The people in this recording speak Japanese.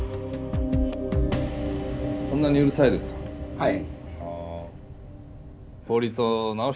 ・はい。